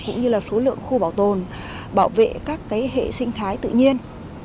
cũng như là số lượng khu bảo tồn bảo vệ các hệ sinh thái tự nhiên